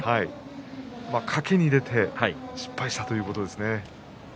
かけに出て失敗したということですね。